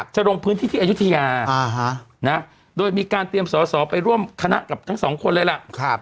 จะลงพื้นที่ที่อายุทยาโดยมีการเตรียมสอสอไปร่วมคณะกับทั้งสองคนเลยล่ะ